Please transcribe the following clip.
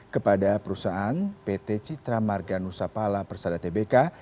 kepada perusahaan pt citra marga nusapala persada tbk